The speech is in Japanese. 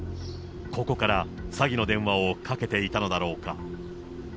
ここから詐欺の電話をかけていたのだろうか。